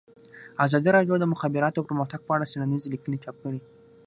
ازادي راډیو د د مخابراتو پرمختګ په اړه څېړنیزې لیکنې چاپ کړي.